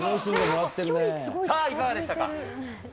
さあ、いかがでしたか？